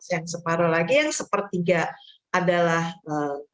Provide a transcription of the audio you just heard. yang separoh lagi yang sepertiga adalah anggota